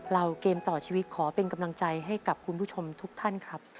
เกมต่อชีวิตขอเป็นกำลังใจให้กับคุณผู้ชมทุกท่านครับ